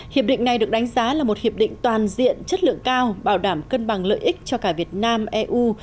hiệp định này được đánh giá là một hiệp định toàn diện chất lượng cao bảo đảm cân bằng lợi ích cho cả việt nam eu